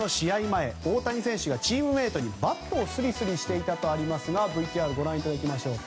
前大谷選手がチームメートにバットをスリスリしていたとありますがＶＴＲご覧いただきましょう。